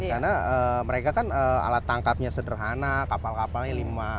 karena mereka kan alat tangkapnya sederhana kapal kapalnya lima